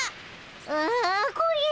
あこれ。